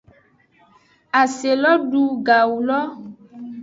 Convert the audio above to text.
Asi lo du gawu lo.